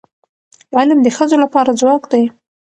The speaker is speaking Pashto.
علم د ښځو لپاره ځواک دی.